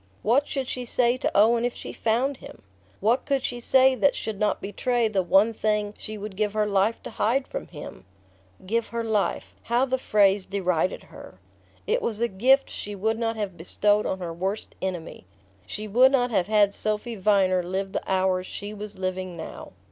What should she say to Owen if she found him? What could she say that should not betray the one thing she would give her life to hide from him? "Give her life" how the phrase derided her! It was a gift she would not have bestowed on her worst enemy. She would not have had Sophy Viner live the hours she was living now...